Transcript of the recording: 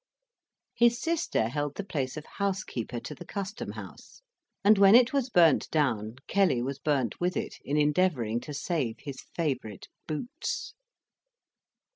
His sister held the place of housekeeper to the Custom house, and when it was burnt down, Kelly was burnt with it, in endeavoring to save his favorite boots.